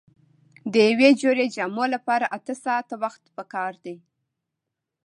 د یوې جوړې جامو لپاره اته ساعته وخت پکار دی.